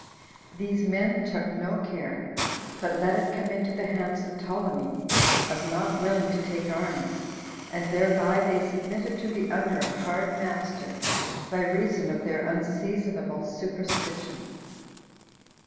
These men took no care, but let it come into the hands of Ptolemy, as not willing to take arms, and thereby they submitted to be under a hard master, by reason of their unseasonable superstition."